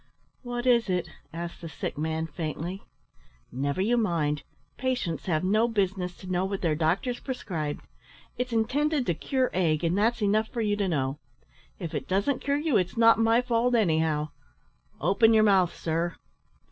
"What is it?" asked the sick man, faintly. "Never you mind; patients have no business to know what their doctors prescribe. It's intended to cure ague, and that's enough for you to know. If it doesn't cure you it's not my fault, anyhow open your mouth, sir!"